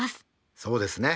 そうですね。